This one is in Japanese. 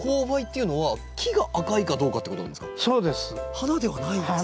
花ではないんですか？